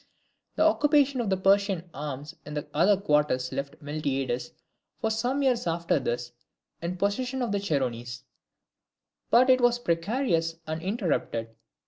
The occupation of the Persian arms in other quarters left Miltiades for some years after this in possession of the Chersonese; but it was precarious and interrupted.